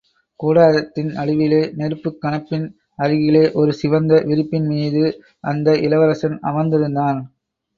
கூடாரத்தின் நடுவிலே நெருப்புக் கணப்பின் அருகிலே ஒரு சிவந்த விரிப்பின் மீது அந்த இளவரசன் அமர்ந்திருந்தான்.